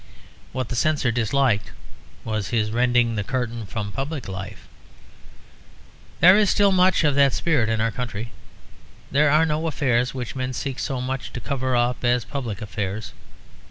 What the Censor disliked was his rending the curtain from public life. There is still much of that spirit in our country; there are no affairs which men seek so much to cover up as public affairs.